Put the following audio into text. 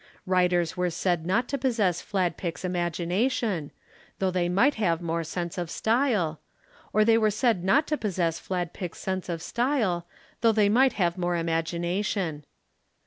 Writers were said not to possess Fladpick's imagination, though they might have more sense of style, or they were said not to possess Fladpick's sense of style, though they might have more imagination.